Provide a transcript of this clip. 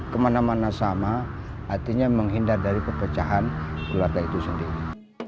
kemana mana sama artinya menghindar dari perpecahan keluarga itu sendiri